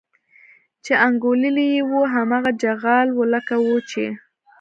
چې انګوللي یې وو هماغه چغال و لکه وو چې.